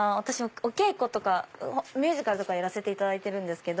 お稽古とかミュージカルとかやらせていただいてるんですけど。